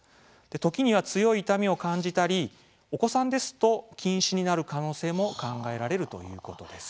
時には強い痛みを感じたりお子さんですと近視になる可能性も考えられるということです。